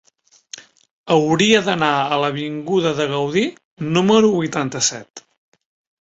Hauria d'anar a l'avinguda de Gaudí número vuitanta-set.